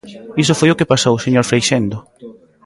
Iso foi o que pasou, señor Freixendo.